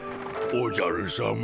おじゃるさま。